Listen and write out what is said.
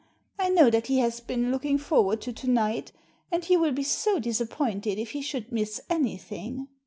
I know that he has been looking for ward to to night, and he will be so disappointed if he should miss anything."